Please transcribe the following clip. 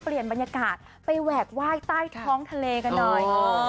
เปลี่ยนบรรยากาศไปแหวกไหว้ใต้ท้องทะเลกันหน่อย